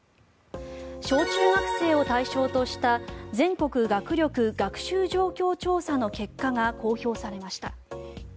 小中学生を対象とした全国学力・学習状況調査の結果が公表されました。